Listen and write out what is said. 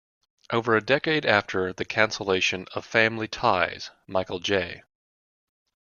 Over a decade after the cancellation of "Family Ties", Michael J.